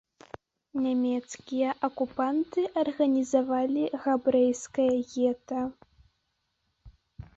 Нямецкія акупанты арганізавалі габрэйскае гета.